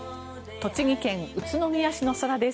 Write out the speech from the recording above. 栃木県宇都宮市の空です。